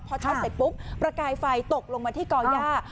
พอช็อตเสร็จปุ๊บประกายไฟตกลงมาที่ก่อย่า